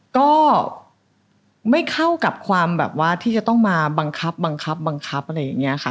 ก็ไม่เข้ากับความแบบว่าที่จะต้องมาบังคับบังคับอะไรอย่างนี้ค่ะ